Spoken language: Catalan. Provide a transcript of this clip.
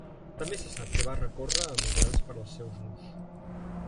També se sap que va recórrer a models per als seus nus.